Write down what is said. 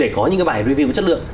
để có những cái bài review chất lượng